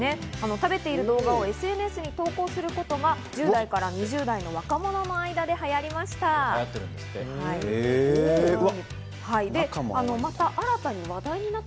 食べている動画をＳＮＳに投稿することが１０代から２０代の若者から流行りました。